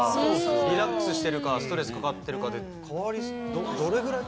リラックスしてるかストレスかかってるかで変わりそうどれぐらい？